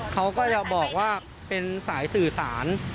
เขาก็จะบอกว่าเป็นสายสื่อสาร